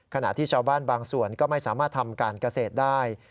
ขณะที่ชาวบ้านบางส่วนก็ไม่สามารถทำการเกษตรได้